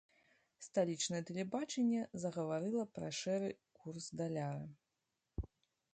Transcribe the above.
Сталічнае тэлебачанне загаварыла пра шэры курс даляра.